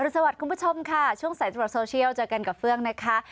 สวัสดีคุณผู้ชมค่ะช่วงสายตรวจโซเชียลเจอกันกับเฟื่องนะคะ